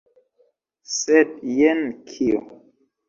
Sed jen kio!